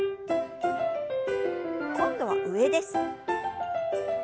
今度は上です。